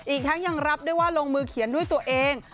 อีกทั้งยังรับด้วยว่าลงมือเขียนด้วยตัวเอง